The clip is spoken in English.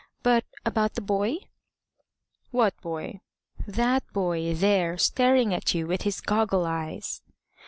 But about the boy?" "What boy?" "That boy, there, staring at you with his goggle eyes."